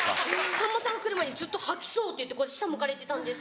さんまさん来る前にずっと吐きそうって言って下向かれてたんです。